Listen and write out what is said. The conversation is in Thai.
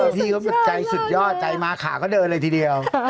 พี่ก็ใจสุดยอดใจมาขาก็เดินเลยทีเดียว